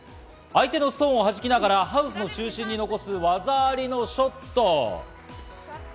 相手のストーンを弾きながら、ハウスの中心に残す技ありのショット。